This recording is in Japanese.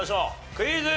クイズ。